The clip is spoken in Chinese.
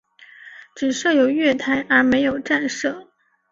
只设有月台而没有站舍。